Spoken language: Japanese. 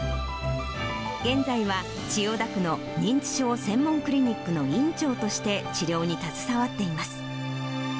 現在は千代田区の認知症専門クリニックの院長として治療に携わっています。